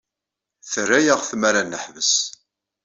Terra-aɣ tmara ad neḥbes.